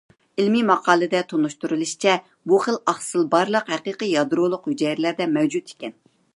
ئىلمىي ماقالىدە تونۇشتۇرۇلۇشىچە، بۇ خىل ئاقسىل بارلىق ھەقىقىي يادرولۇق ھۈجەيرىلەردە مەۋجۇت ئىكەن.